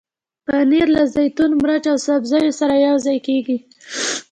پنېر له زیتون، مرچ او سبزیو سره یوځای کېږي.